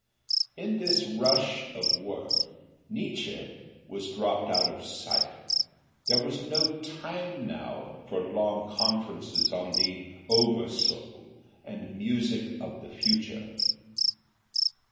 In this rush of work, Nietzsche was dropped out of sight there was no time now for long conferences on the Over Soul and Music of the Future.